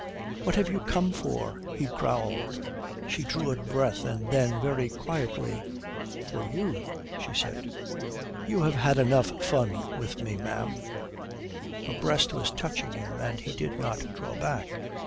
"What have you come for?" he growled. She drew a breath, and then, very quietly, "For you," she said. "You have had enough fun with me, ma'am." Her breast was touching him, and he did not draw back.